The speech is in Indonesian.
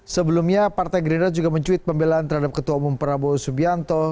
sebelumnya partai gerindra juga mencuit pembelaan terhadap ketua umum prabowo subianto